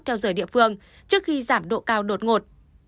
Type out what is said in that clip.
theo giờ địa phương trước khi giảm độ cao đột ngột